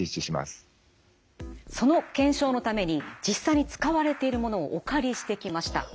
その検証のために実際に使われているものをお借りしてきました。